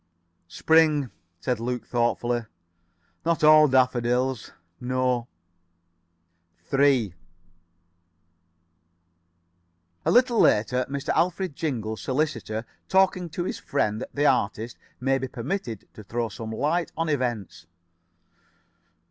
"Spring," said Luke, thoughtfully. "Not all daffodils. No." 3 A little later Mr. Alfred Jingle, solicitor, talking to his friend the artist, may be permitted to throw some light on events.